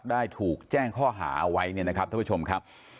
ได้ถูกแจ้งข้อหาไว้นะครับท่านผู้ชมครับ